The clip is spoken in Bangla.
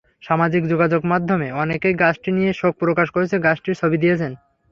সামাজিক যোগাযোগমাধ্যমে অনেকেই গাছটি নিয়ে শোক প্রকাশ করেছেন, গাছটির ছবি দিয়েছেন।